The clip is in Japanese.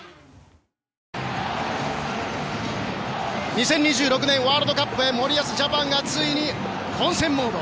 ２０２６年ワールドカップへ森保ジャパンがついに本戦モード。